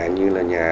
như là nhà